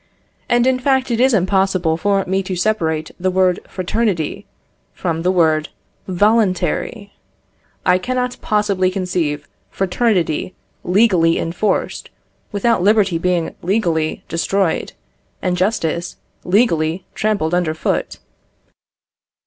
And in fact it is impossible for me to separate the word fraternity from the word voluntary. I cannot possibly conceive fraternity legally enforced, without liberty being legally destroyed, and justice legally trampled under foot.